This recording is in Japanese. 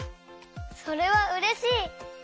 それはうれしい！